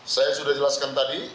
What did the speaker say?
saya sudah jelaskan tadi